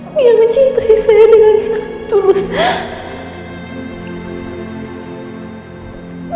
dia mencintai saya dengan sangat turut